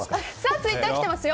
ツイッター来てますよ。